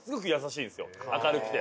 明るくて。